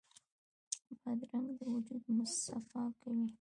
بادرنګ د وجود مصفا کوي.